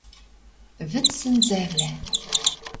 Вӹдсӹнзӓвлӓ —